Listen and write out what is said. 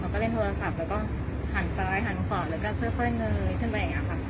เราก็เล่นโทรศัพท์แล้วก็หันซ้ายหันขวาแล้วก็เพื่อค่อยเงยขึ้นแบบเนี้ยค่ะ